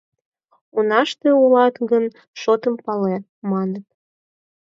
— Унаште улат гын, шотым пале, — маныт.